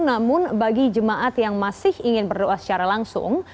namun bagi jemaat yang masih ingin berdoa secara langsung